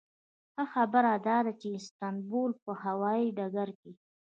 ښه خبره داده چې د استانبول په هوایي ډګر کې.